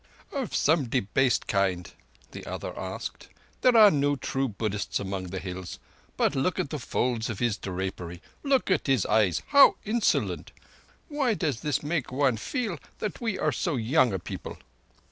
"Of some debased kind," the other answered. "There are no true Buddhists among the Hills. But look at the folds of the drapery. Look at his eyes—how insolent! Why does this make one feel that we are so young a people?"